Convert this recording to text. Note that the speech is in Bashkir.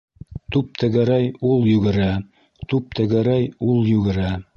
Туп тәгәрәй - ул йүгерә, туп тәгәрәй - ул йүгерә.